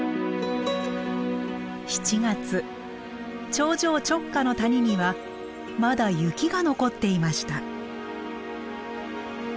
頂上直下の谷にはまだ雪が残っていました。